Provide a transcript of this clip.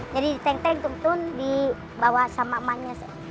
jadi diteng teng tuntun dibawa sama emaknya